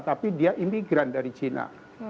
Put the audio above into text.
tapi dia imigran dari cina